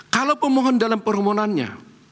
kalau pemohon dalam permohonannya